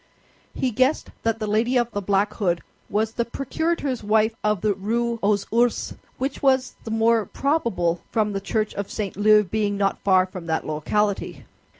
He guessed that the lady of the black hood was the procurator's wife of the Rue aux Ours, which was the more probable from the church of St. Leu being not far from that locality.